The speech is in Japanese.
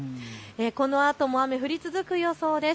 このあとも雨、降り続く予想です。